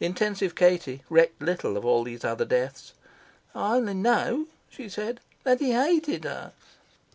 Intensive Katie recked little of all these other deaths. "I only know," she said, "that he hated her."